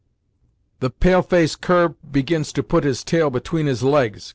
"The pale face cur begins to put his tail between his legs!"